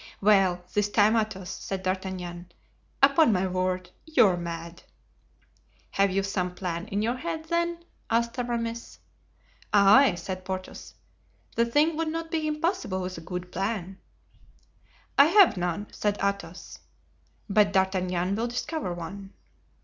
"Well, this time, Athos," said D'Artagnan, "upon my word, you are mad." "Have you some plan in your head then?" asked Aramis. "Ay!" said Porthos, "the thing would not be impossible with a good plan." "I have none," said Athos; "but D'Artagnan will discover one."